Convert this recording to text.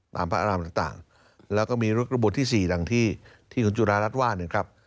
ตามพระอารามต่างแล้วก็มีฤกษ์ระบวนที่๔ที่ที่คุณจุฬารัฐว่าเนี่ยครับ